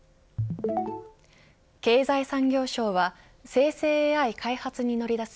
経済産業省は生成ＡＩ開発に乗り出す